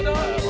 terima kasih ya